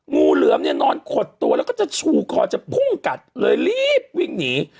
งูเหลือมเนี่ยนอนขดตัวแล้วก็จะชูคอจะพุ่งกัดเลยรีบวิ่งหนี